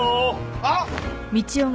あっ！